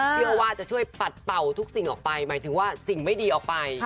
เชื่อว่าจะช่วยปัดเป่าทุกสิ่งออกไปหมายถึงว่าสิ่งไม่ดีออกไป